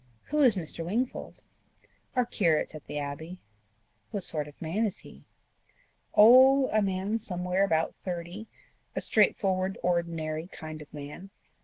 "Who is Mr. Wingfold?" "Our curate at the Abbey." "What sort of man is he?" "Oh, a man somewhere about thirty a straightforward, ordinary kind of man."